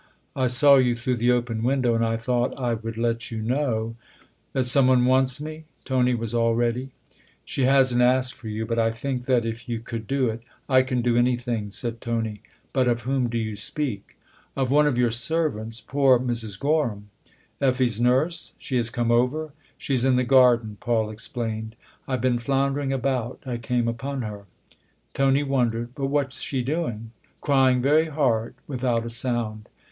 " I saw you through the open window, and I thought I would let you know " That some one wants me ?" Tony was all ready. " She hasn't asked for you ; but I think that if you could do it " I can do anything," said Tony. " But of whom do you speak ?"" Of one of your servants poor Mrs. Gorham." 11 Effie's nurse ? she has come over ?"" She's in the garden," Paul explained. "I've been floundering about I came upon her." Tony wondered. " But what's she doing ?"" Crying very hard without a sound."